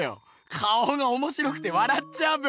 顔がおもしろくてわらっちゃうっぺよ。